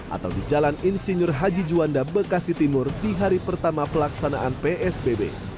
atau di jalan insinyur haji juanda bekasi timur di hari pertama pelaksanaan psbb